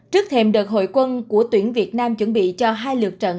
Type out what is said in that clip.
trước thêm đợt hội quân của tuyển việt nam chuẩn bị cho hai lượt trận